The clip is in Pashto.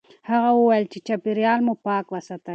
هغه وویل چې چاپیریال مو پاک وساتئ.